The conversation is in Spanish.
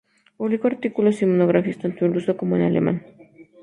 Publicó artículos y monografías tanto en ruso como en alemán.